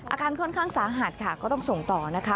อาการค่อนข้างสาหัสค่ะก็ต้องส่งต่อนะคะ